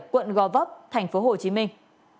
quận gò vấp thành phố hồ chí minh